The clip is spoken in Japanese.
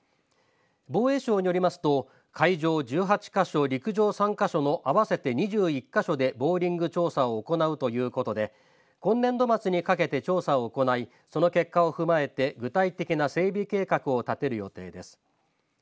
防衛省によりますと海上１８か所陸上３か所の合わせて２１か所でボーリング調査を行うということで今年度末にかけて調査を行いその結果を踏まえて具体的な整備計画を立てる予定です。